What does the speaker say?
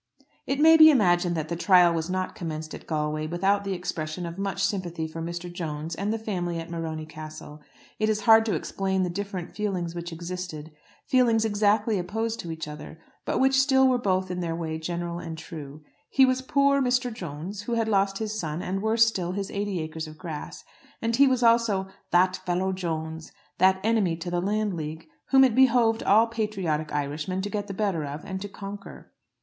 It may be imagined that the trial was not commenced at Galway without the expression of much sympathy for Mr. Jones and the family at Morony Castle. It is hard to explain the different feelings which existed, feelings exactly opposed to each other, but which still were both in their way general and true. He was "poor Mr. Jones," who had lost his son, and, worse still, his eighty acres of grass, and he was also "that fellow Jones," that enemy to the Landleague, whom it behoved all patriotic Irishmen to get the better of and to conquer.